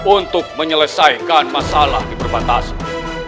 untuk menyelesaikan masalah di perbatasan